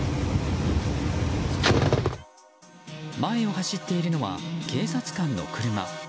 前を走っているのは警察官の車。